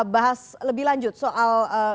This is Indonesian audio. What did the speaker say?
bahas lebih lanjut soal